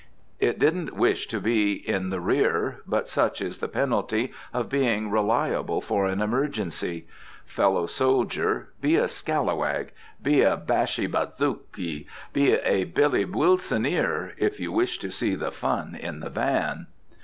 It didn't wish to be in the rear; but such is the penalty of being reliable for an emergency. Fellow soldier, be a scalawag, be a bashi bazouk, be a Billy Wilsoneer, if you wish to see the fun in the van!